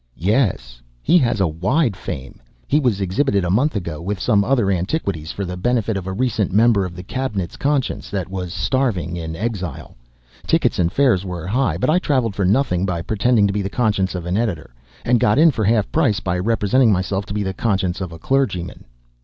"Yes. He has a wide fame. He was exhibited, a month ago, with some other antiquities, for the benefit of a recent Member of the Cabinet's conscience that was starving in exile. Tickets and fares were high, but I traveled for nothing by pretending to be the conscience of an editor, and got in for half price by representing myself to be the conscience of a clergyman.